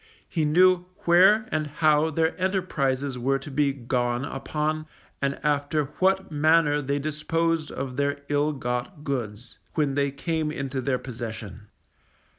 He knew where and how their enterprises were to be gone upon, and after what manner they disposed of their ill got goods, when they came into their possession.